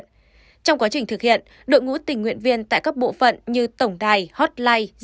trong quá trình thực hiện đội ngũ tình nguyện viên tại các bộ phận như tổng đài hotline